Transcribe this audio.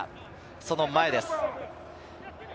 その前です。